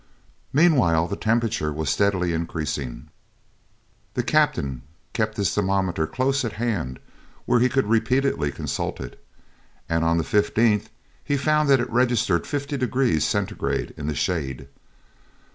Meanwhile the temperature was steadily increasing. The captain kept his thermometer close at hand where he could repeatedly consult it, and on the 15th he found that it registered 50 degrees centigrade in the shade.